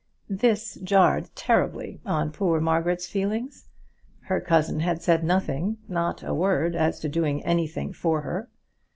This jarred terribly on poor Margaret's feelings. Her cousin had said nothing, not a word as to doing anything for her.